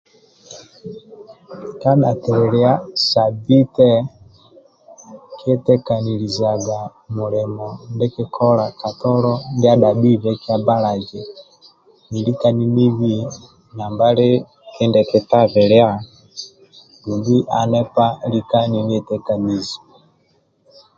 Kadhakililia Sabbite nikietekanilizaga mulimo ndie nikikola ka tolo ndia adhabhibe kyabalazi nilika ninbi ambali kindie kitabilia dumbi anipa lika ninietekanizi